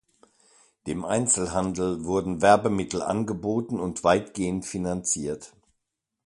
Dem Einzelhandel wurden Werbemittel angeboten und weitgehend finanziert.